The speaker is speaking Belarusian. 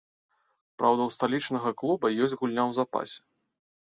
Праўда, у сталічнага клуба ёсць гульня ў запасе.